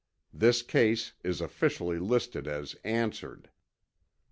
This case is officially listed as answered.